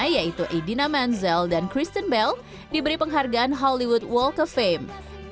yaitu idina manziel dan kristen bell diberi penghargaan hollywood walk of fame